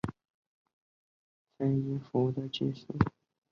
此曲同时也促进了双手交替弹奏十六分音符的技术。